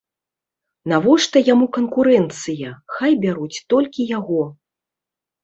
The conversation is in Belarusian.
Навошта яму канкурэнцыя, хай бяруць толькі яго.